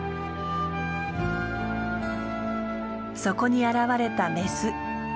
そこに現れたメス。